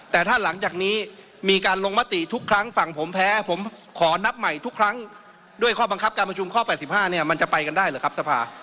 แต่ถ้าหลังจากนี้มีการลงมติทุกครั้งฝั่งผมแพ้ผมขอนับใหม่ทุกครั้งด้วยข้อบังคับการประชุมข้อ๘๕เนี่ยมันจะไปกันได้หรือครับสภา